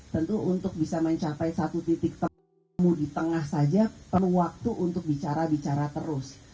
tentu untuk bisa mencapai satu titik temu di tengah saja perlu waktu untuk bicara bicara terus